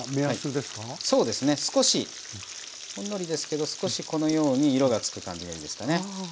そうですね少しほんのりですけど少しこのように色がつく感じがいいですかね。